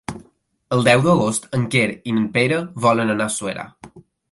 El deu d'agost en Quer i en Pere volen anar a Suera.